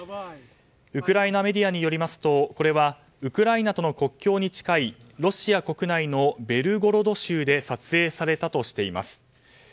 ウクライナメディアによりますとこれはウクライナとの国境に近いロシア国内のベルゴロド州で撮影されたとしています。